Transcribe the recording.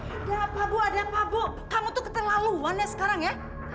ada apa bu ada apa bu kamu tuh keterlaluan ya sekarang ya